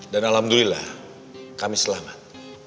dan alhamdulillah kami selamat